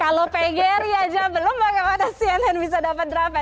kalau pgri aja belum bagaimana cnn bisa dapat drama